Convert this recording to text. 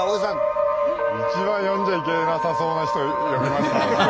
一番呼んじゃいけなさそうな人呼びましたね。